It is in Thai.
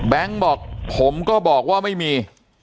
แบงค์บอกผมก็บอกว่าไม่มี